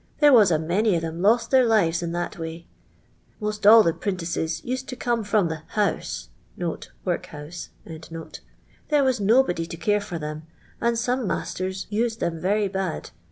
There was a many o' them lost their Ut«» in that way. Most all the printices used to come from the ' House' (workhouse.) There was nobody to care for them, and some masters used them very bad.